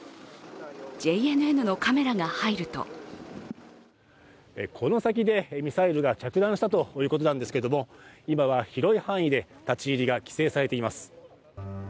ＪＮＮのカメラが入るとこの先でミサイルが着弾したということなんですけど、今は広い範囲で立入が規制されています。